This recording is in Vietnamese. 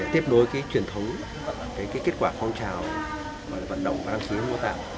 tiếp đối cái truyền thống cái kết quả phong trào vận động và đăng ký mô tạng